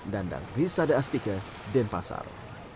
dandang rizada astike denpasar